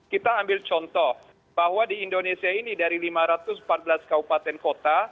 kita ambil contoh bahwa di indonesia ini dari lima ratus empat belas kabupaten kota